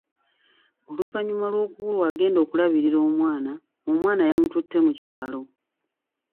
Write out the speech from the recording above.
Oluvannyuma lw’okubulwa, agenda okulabirira omwana, omwana yamututte mu kyalo.